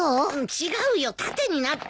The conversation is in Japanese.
違うよ縦になって。